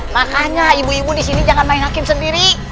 makanya ibu ibu di sini jangan main hakim sendiri